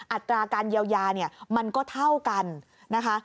อัตราการเยียวยาเนี่ยมันก็เท่ากันนะคะ